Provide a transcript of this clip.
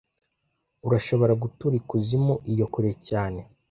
urashobora gutura ikuzimu iyo kure cyane